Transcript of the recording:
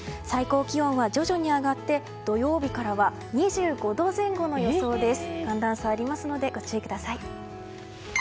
最高気温は徐々に上がって土曜日からは２５度前後の予想です。